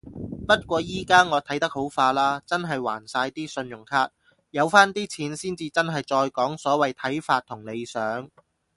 不過依家我睇得好化啦，真係還晒啲信用卡。有返啲錢先至真係再講所謂睇法同理想